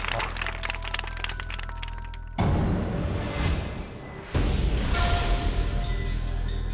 ขอบคุณครับ